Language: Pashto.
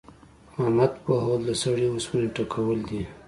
احمد پوهول؛ د سړې اوسپنې ټکول دي.